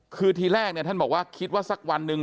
คือทีแรกเนี่ยท่านบอกว่าคิดว่าสักวันหนึ่ง